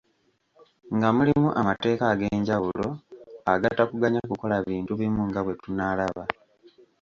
Nga mulimu amateeka ag'enjawulo agatakuganya kukola bintu bimu nga bwe tunaalaba.